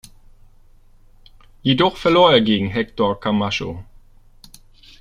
Jedoch verlor er gegen Hector Camacho.